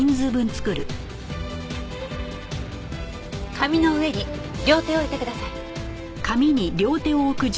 紙の上に両手を置いてください。